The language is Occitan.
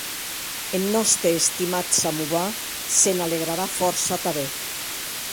Eth nòste estimat samovar se n'alegrarà fòrça tanben.